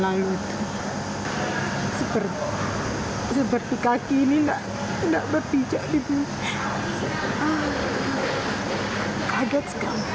saya tidak bisa berpijak di bukit